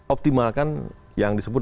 optimalkan yang disebut